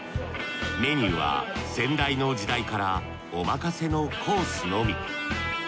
メニューは先代の時代からおまかせのコースのみ。